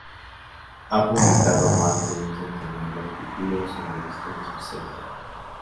Ha publicado más de un centenar de artículos en revistas especializadas.